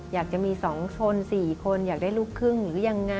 อยากจะมี๒ชน๔คนอยากได้ลูกครึ่งหรือยังไง